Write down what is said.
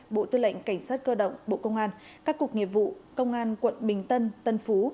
bộ tư lệnh cảnh sát cơ động bộ công an các cục nghiệp vụ công an quận bình tân tân phú